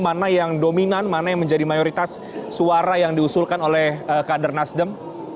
mana yang dominan mana yang menjadi mayoritas suara yang diusulkan oleh kader nasdem